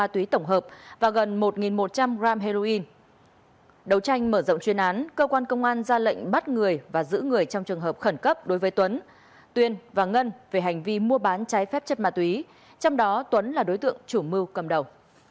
đấu tranh mở rộng chuyên án cơ quan công an ra lệnh bắt người và giữ người trong trường hợp khẩn cấp đối với tuấn tuyên và ngân về hành vi mua bán trái phép chất ma túy trong đó tuấn là đối tượng chủ mưu cầm đầu